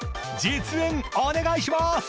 実演お願いします！